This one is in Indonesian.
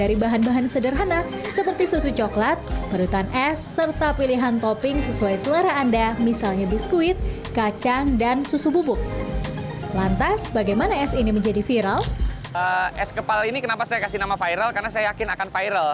ini kenapa saya kasih nama viral karena saya yakin akan viral